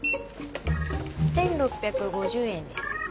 １，６５０円です。